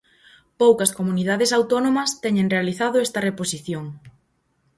Poucas comunidades autónomas teñen realizado esta reposición.